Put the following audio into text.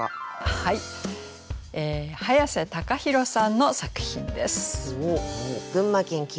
はい早瀬孝弘さんの作品です。